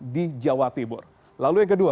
di jawa timur lalu yang kedua